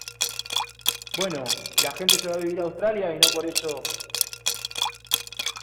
bueno, la gente se va a vivir a Australia y no por eso